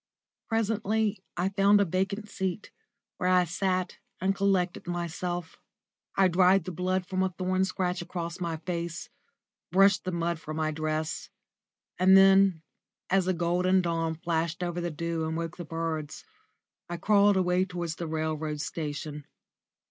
Presently I found a vacant seat, where I sat and collected myself. I dried the blood from a thorn scratch across my face, brushed the mud from my dress, and then, as a golden dawn flashed over the dew and woke the birds, I crawled away towards the railway station.